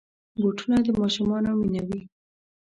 بوټونه د ماشومانو مینه وي.